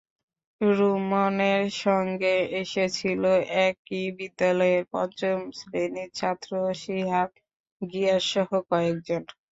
রুমনের সঙ্গে এসেছিল একই বিদ্যালয়ের পঞ্চম শ্রেণির ছাত্র সিহাব, গিয়াসসহ কয়েকজন।